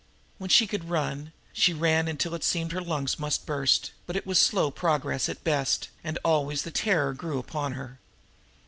When she could run, she ran until it seemed her lungs must burst, but it was slow progress at best, and always the terror grew upon her.